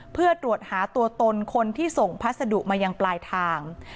เพื่อตรวจหาตัวตนคนที่ส่งพัสดุมายังปลายทาง